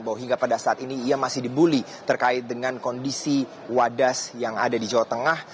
bahwa hingga pada saat ini ia masih dibully terkait dengan kondisi wadas yang ada di jawa tengah